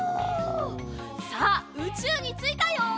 さあうちゅうについたよ。